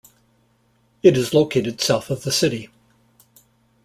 It is located south of the city.